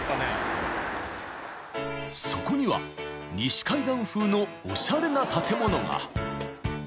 ［そこには西海岸風のおしゃれな建物が］